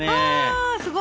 あすごい！